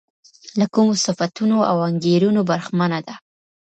له کومو صفتونو او انګېرنو برخمنه ده.